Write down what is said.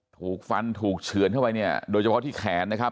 ถูกฟันถูกเฉือนเข้าไปเนี่ยโดยเฉพาะที่แขนนะครับ